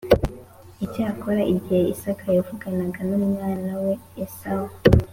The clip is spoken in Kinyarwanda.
Icyakora igihe Isaka yavuganaga n umwana we Esawu